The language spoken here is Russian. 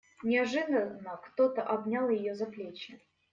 Неожиданно кто-то обнял ее за плечи.